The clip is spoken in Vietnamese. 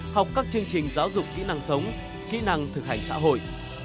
học các chương trình giáo dục kỹ năng sống kỹ năng thực hành xã hội